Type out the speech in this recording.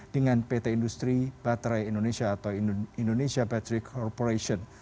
dengan pt industri baterai indonesia atau indonesia baterai corporation